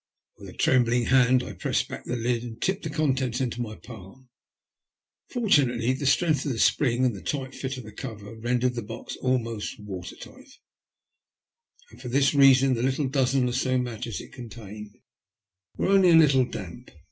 With a trembling hand I pressed back the lid, and tipped the contents into my palm. Fortunately, the strength of the spring and the tight fit of the cover rendered the box almost water tight, and for this reason the dozen or so matches it contained were only a little damp.